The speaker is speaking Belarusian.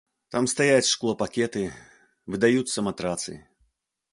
Там стаяць шклопакеты, выдаюцца матрацы.